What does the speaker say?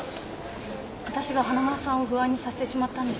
私が花村さんを不安にさせてしまったんです。